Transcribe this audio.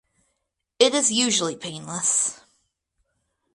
It is usually painless.